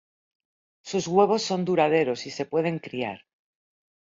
Sus huevos son duraderos y se pueden criar.